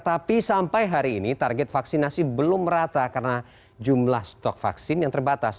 tapi sampai hari ini target vaksinasi belum merata karena jumlah stok vaksin yang terbatas